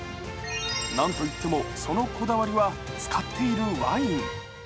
なんといっても、そのこだわりは使っているワイン。